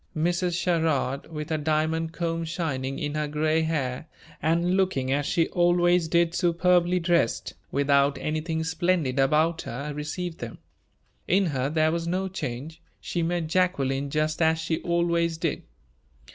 Mrs. Sherrard, with her diamond comb shining in her gray hair, and looking as she always did superbly dressed, without anything splendid about her, received them. In her there was no change. She met Jacqueline just as she always did.